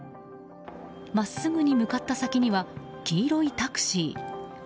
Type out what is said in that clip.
真っすぐに向かった先には黄色いタクシー。